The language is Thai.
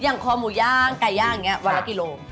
คอหมูย่างไก่ย่างอย่างนี้วันละกิโล